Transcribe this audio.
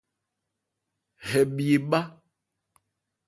Hɛ bhi ebhá.